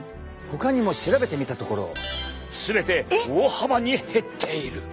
ほかにも調べてみたところ全て大幅に減っている！